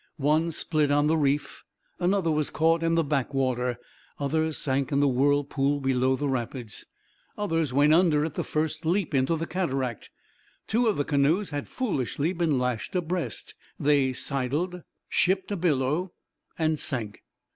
One split on the reef. Another was caught in the backwater. Others sank in the whirlpool below the rapids. Others went under at the first leap into the cataract. Two of the canoes had foolishly been lashed abreast. They sidled, shipped a billow, and sank.